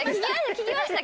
聞きました